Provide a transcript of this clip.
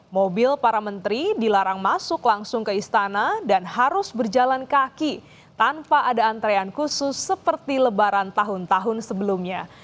mobil para menteri dilarang masuk langsung ke istana dan harus berjalan kaki tanpa ada antrean khusus seperti lebaran tahun tahun sebelumnya